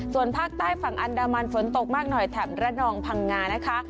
ส่วนภาคใต้ฝั่งอันดามันฝนตกมากหน่อยแถบระนองพังงานะคะ